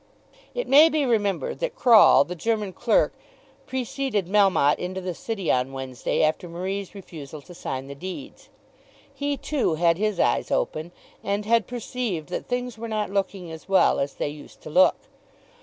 It may be remembered that Croll, the German clerk, preceded Melmotte into the City on Wednesday after Marie's refusal to sign the deeds. He, too, had his eyes open, and had perceived that things were not looking as well as they used to look.